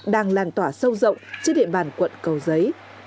đang lan tỏa sâu rộng trên địa bàn quận cầu giấy